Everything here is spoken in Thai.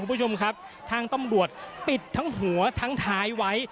คุณผู้ชมครับทางตำรวจปิดทั้งหัวทั้งท้ายไว้